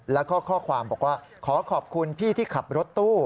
แล้วก็ข้อความบอกว่าขอขอบคุณพี่ที่ขับรถตู้